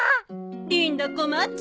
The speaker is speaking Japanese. リンダ困っちゃう。